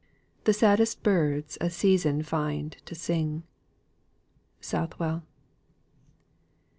"The saddest birds a season find to sing." SOUTHWELL.